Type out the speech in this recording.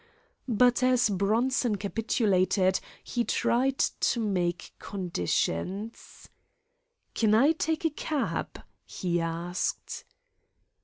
But as Bronson capitulated, he tried to make conditions. "Can I take a cab?" he asked.